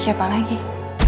aku mau bayar obat beliau